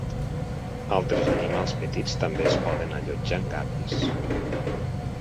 Altres animals petits també es poden allotjar en gàbies.